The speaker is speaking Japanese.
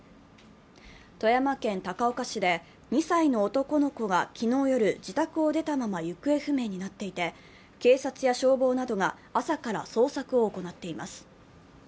富山県高岡市で２歳の男の子が昨日夜、自宅を出たまま行方不明になっていて警察や消防などが朝から捜索を行っています。